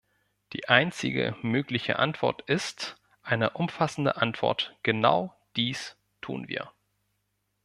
Die einzige mögliche Antwort ist eine umfassende Antwort genau dies tun wir.